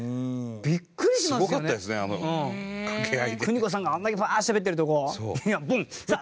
邦子さんがあれだけバーッてしゃべってるとこをブンッ！